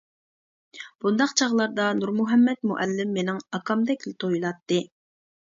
بۇنداق چاغلاردا نۇرمۇھەممەت مۇئەللىم مېنىڭ ئاكامدەكلا تۇيۇلاتتى.